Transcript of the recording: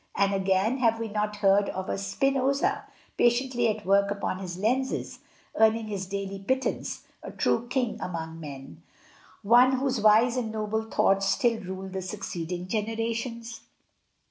And, again, have we not heard of a Spinoza patiently at work upon his lenses earning his daily pittance, a true king among men, one whose wise and noble thoughts still rule the succeeding generations?